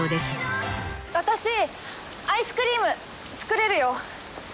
「私アイスクリーム作れるよ」